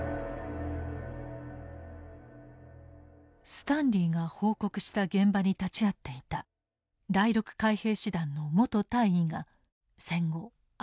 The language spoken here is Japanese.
スタンリーが報告した現場に立ち会っていた第６海兵師団の元大尉が戦後ある証言を残していた。